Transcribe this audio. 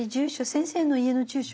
先生の家の住所？